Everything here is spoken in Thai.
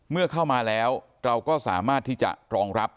เมื่อเข้ามาแล้วเราก็สามารถที่จะรองรับ